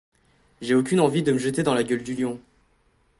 J’ai aucune envie de me jeter dans la gueule du lion.